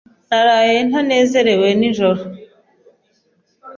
Naraye ntanezerewe snijoro.